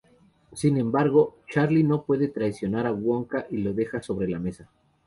Sin embargo, Charlie no puede traicionar a Wonka y lo deja sobre la mesa.